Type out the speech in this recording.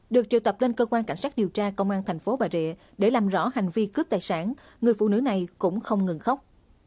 được triệu tập lên cơ quan cảnh sát điều tra công an thành phố bà rịa để làm rõ hành vi cướp tài sản người phụ nữ này cũng không ngừng khóc